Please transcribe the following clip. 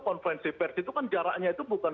konferensi pers itu kan jaraknya itu bukan